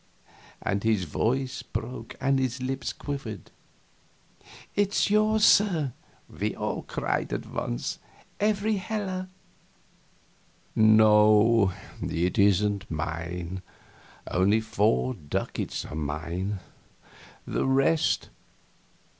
and his voice broke and his lips quivered. "It is yours, sir!" we all cried out at once, "every heller!" "No it isn't mine. Only four ducats are mine; the rest...!"